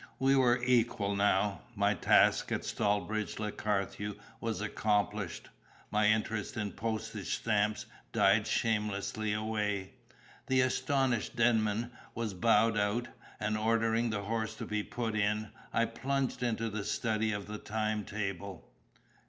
We were equal now; my task at Stallbridge le Carthew was accomplished; my interest in postage stamps died shamelessly away; the astonished Denman was bowed out; and ordering the horse to be put in, I plunged into the study of the time table.